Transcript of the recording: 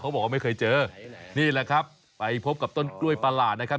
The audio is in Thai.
บอกว่าไม่เคยเจอนี่แหละครับไปพบกับต้นกล้วยประหลาดนะครับ